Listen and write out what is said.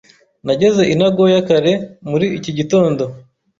Nageze i Nagoya kare muri iki gitondo.